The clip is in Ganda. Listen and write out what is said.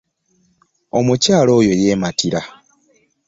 Omukyala Oyo yematira.